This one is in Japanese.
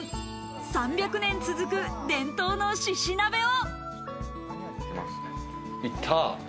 ３００年続く伝統の猪鍋を。